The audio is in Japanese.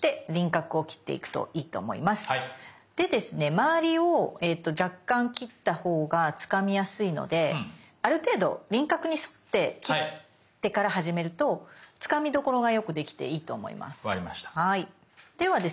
周りを若干切ったほうがつかみやすいのである程度輪郭に沿って切ってから始めるとつかみどころがよくできていいと思います。